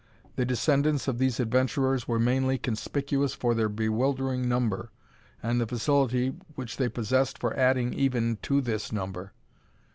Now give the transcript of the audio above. The descendants of these adventurers were mainly conspicuous for their bewildering number, and the facility which they possessed for adding even to this number.